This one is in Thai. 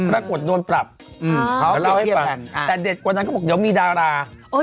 ปรากฏโดนปรับเดี๋ยวเล่าให้ฟังแต่เด็ดกว่านั้นเขาบอกเดี๋ยวมีดารา